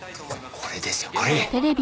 これですよこれ！